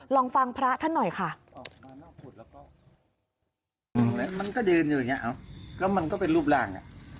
แล้วมันก็เป็นรูปร่าง